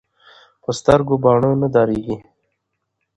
ـ په سترګو باڼه نه درنېږي.